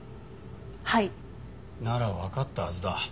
はい。ならわかったはずだ。